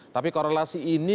tapi korelasi ini